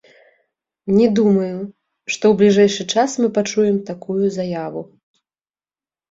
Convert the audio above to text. Не думаю, што ў бліжэйшы час мы пачуем такую заяву.